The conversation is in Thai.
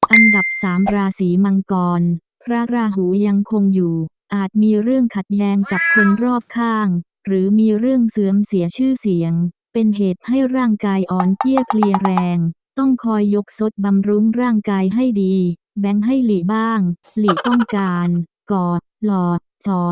อันดับสามราศีมังกรพระราหูยังคงอยู่อาจมีเรื่องขัดแย้งกับคนรอบข้างหรือมีเรื่องเสื่อมเสียชื่อเสียงเป็นเหตุให้ร่างกายอ่อนเพี้ยพลีแรงต้องคอยยกสดบำรุงร่างกายให้ดีแบงค์ให้หลีบ้างหลีต้องการก่อหล่อ